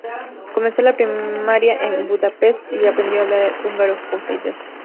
Comenzó la primaria en Budapest y aprendió a hablar el húngaro con fluidez.